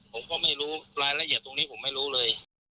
ผมก็ไม่รู้รายละเอียดตรงนี้ผมไม่รู้เลย